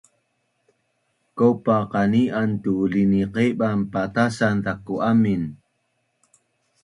Kaupa qani’an tu liniqeban patasan zaku amin